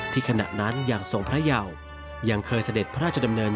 ขณะนั้นอย่างทรงพระเยายังเคยเสด็จพระราชดำเนิน